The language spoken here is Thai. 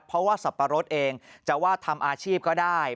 เพราะว่าสับปะรดเองจะว่าทำอาชีพก็ได้